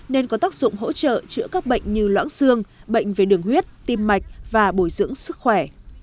nên có tác dụng hỗ trợ chữa các bệnh như loãng xương bệnh về đường huyết tim mạch và bồi dưỡng sức khỏe